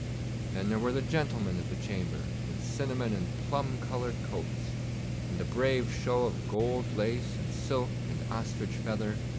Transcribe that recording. Then there were the gentlemen of the chamber, with cinnamon and plum coloured coats, and a brave show of gold lace and silk and ostrich feather.